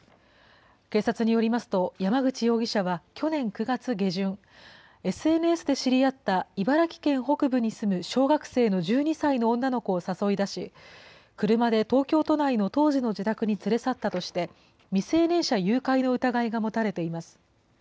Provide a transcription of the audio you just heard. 警察によりますと、山口容疑者は去年９月下旬、ＳＮＳで知り合った茨城県北部に住む、小学生の１２歳の女の子を誘い出し、車で東京都内の当時の自宅に連れ去ったとして、未成年者誘拐の疑いが持たれています。